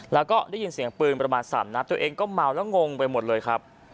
แล้วก็ได้ยินเสียงปืนประมาณ๓นัดตัวเองก็เมาแล้วงงไปหมดเลยครับ